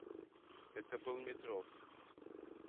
Это был Метров.